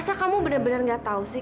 masa kamu benar benar nggak tahu sih